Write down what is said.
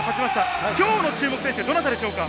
今日の注目選手はどなたですか？